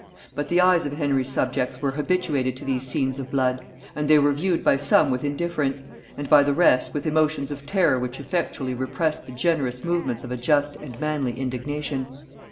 But the eyes of Henry's subjects were habituated to these scenes of blood; and they were viewed by some with indifference, and by the rest with emotions of terror which effectually repressed the generous movements of a just and manly indignation.